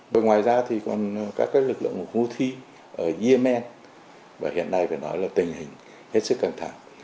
còn ngoài ra thì còn các cái lực lượng houthi ở yemen và hiện nay phải nói là tình hình hết sức căng thẳng